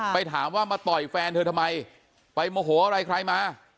ไปถามว่ามาต่อยแฟนเธอทำไมไปโมโหอะไรใครมา